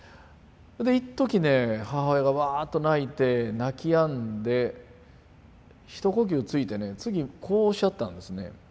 いっときね母親がワーッと泣いて泣きやんで一呼吸ついてね次こうおっしゃったんですね。